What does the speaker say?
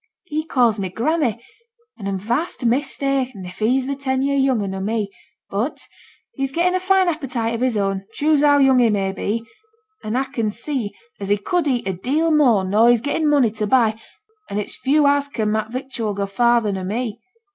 He ca's me granny, but a'm vast mista'en if he's ten year younger nor me; but he's getten a fine appetite of his own, choose how young he may be; an' a can see as he could eat a deal more nor he's getten money to buy, an' it's few as can mak' victual go farther nor me.